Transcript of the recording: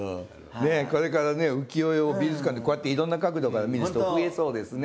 ねえこれから浮世絵を美術館でこうやっていろんな角度から見る人増えそうですね。